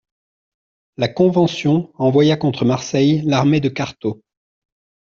La Convention envoya contre Marseille l'armée de Cartaux.